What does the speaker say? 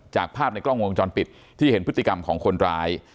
จากภาพในกล้องวงจรปิดที่เห็นพฤติกรรมของคนร้าย